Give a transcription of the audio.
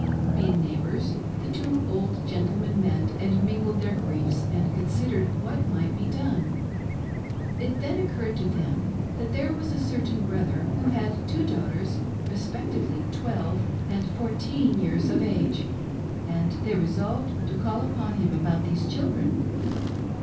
Being neighbors, the two old gentlemen met and mingled their griefs, and considered what might be done. It then occurred to them that there was a certain brother who had two daughters, respectively twelve zxidf out teen years of age, and they resolved to call upon him about these children.